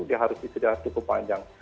dia harus di sedia cukup panjang